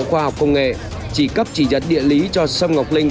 khoa học công nghệ chỉ cấp chỉ dẫn địa lý cho sâm ngọc linh